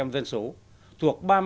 hai mươi bảy dân số thuộc